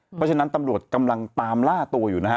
เพราะฉะนั้นตำรวจกำลังตามล่าตัวอยู่นะฮะ